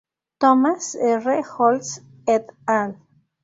Thomas R. Holtz "et al.